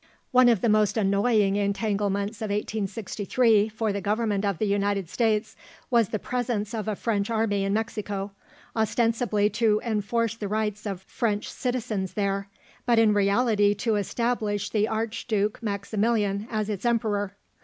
One of the most annoying entanglements of 1863 for the Government of the United States was the presence of a French army in Mexico, ostensibly to enforce the rights of French citizens there, but in reality to establish the Archduke Maximilian as its emperor.